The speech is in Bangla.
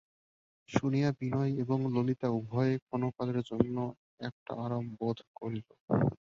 শুনিয়া বিনয় এবং ললিতা উভয়েই ক্ষণকালের জন্য একটা আরাম বোধ করিল।